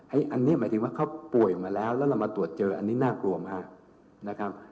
อันนี้หมายถึงว่าเขาป่วยมาแล้วแล้วเรามาตรวจเจออันนี้น่ากลัวมากนะครับ